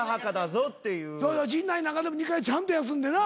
陣内なんかでも２回ちゃんと休んでな。